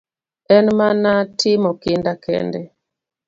En mana timo kinda kende.